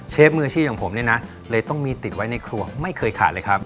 เชฟมือชีพของผมเลยต้องมีติดไว้ในครัวไม่เคยขาดเลยครับ